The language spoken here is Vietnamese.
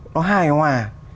nó hài hòa